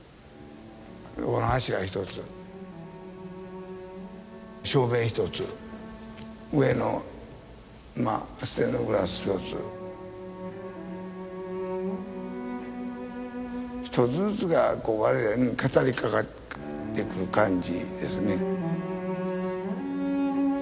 柱一つ照明一つ上のステンドグラス一つ一つずつがこう我々に語りかけてくる感じですね。